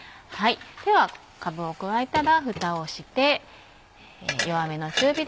ではかぶを加えたらふたをして。